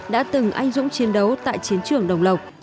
đã từng anh dũng chiến đấu tại chiến trường đồng lộc